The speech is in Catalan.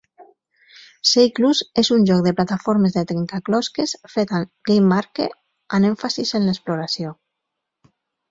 "Seiklus" és un joc de plataformes de trencaclosques fet amb GameMaker amb èmfasi en l'exploració.